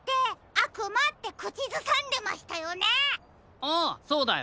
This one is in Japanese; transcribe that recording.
ああそうだよ！